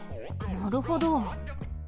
なるほど。